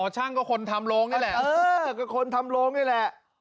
ช่างก็คนทำโรงนี่แหละก็คนทำโรงนี่แหละ